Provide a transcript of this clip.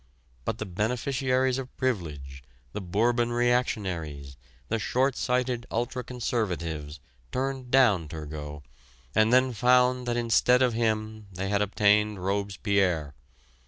But the beneficiaries of privilege, the Bourbon reactionaries, the short sighted ultra conservatives, turned down Turgot; and then found that instead of him they had obtained Robespierre.